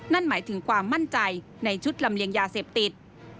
นั่นหมายถึงความมั่นใจในชุดลำเลียงยาเสพติด